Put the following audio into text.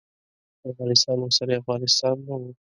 افغانستان اوسنی افغانستان نه و.